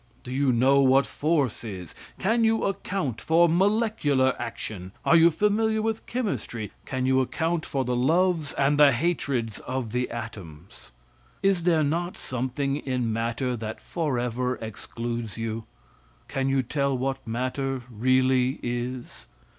Do you know what force is? Can you account for molecular action? Are you familiar with chemistry? Can you account for the loves and the hatreds of the atoms? Is there not something in matter that forever excludes you? Can you tell what matter really is?